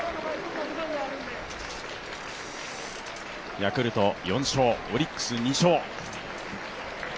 ヤクルト４勝、オリックス２勝。